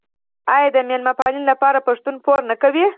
آیا د میلمه پالنې لپاره پښتون پور نه کوي؟